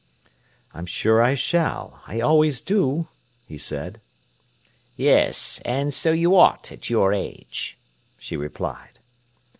"I'm sure I shall; I always do," he said. "Yes; and so you ought at your age," she replied.